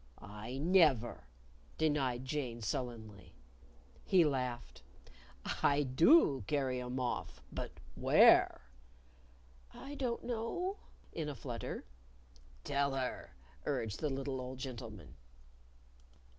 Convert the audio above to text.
"I never!" denied Jane, sullenly. He laughed. "I do carry 'em off. But where?" "I don't know," in a flutter. "Tell her," urged the little old gentleman.